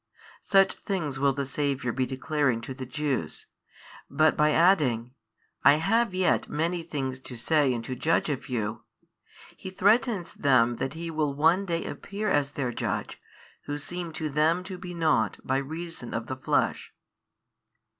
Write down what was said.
Such things will the Saviour be declaring to the Jews, but by adding, I have yet many things to say and to judge of you, He threatens them that He will one Day appear as their Judge, Who seemed to them to be nought by reason of the Flesh.